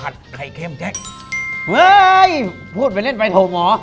อะไรครับ